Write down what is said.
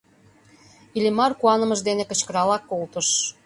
Иллимар куанымыж дене кычкыралак колтыш.